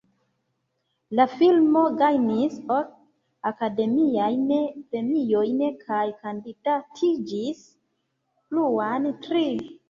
La filmo gajnis ok Akademiajn Premiojn kaj kandidatiĝis pluan tri.